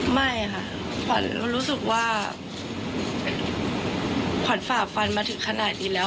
ไม่ค่ะขวัญรู้สึกว่าขวัญฝ่าฟันมาถึงขนาดนี้แล้ว